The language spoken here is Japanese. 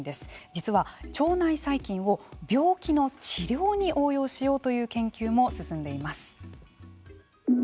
実は腸内細菌を病気の治療に応用しようという研究も進んでいます。